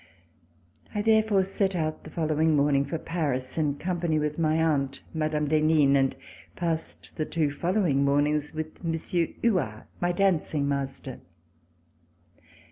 I therefore set out the following morning for Paris In company w ith my aunt, Mme. d'Henin, and passed the two following mornings with Monsieur Huart, my dancing master.